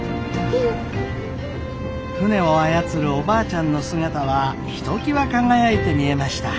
船を操るおばあちゃんの姿はひときわ輝いて見えました。